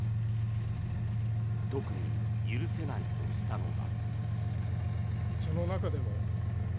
特に許せないとしたのが。